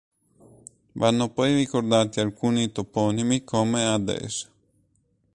Vanno poi ricordati alcuni toponimi come ad es.